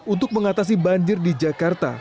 untuk mengatasi banjir di jakarta